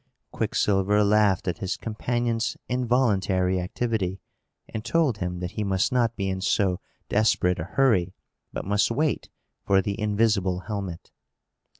Quicksilver laughed at his companion's involuntary activity, and told him that he must not be in so desperate a hurry, but must wait for the invisible helmet.